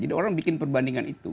jadi orang bikin perbandingan itu